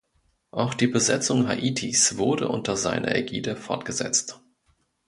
Auch die Besetzung Haitis wurde unter seiner Ägide fortgesetzt.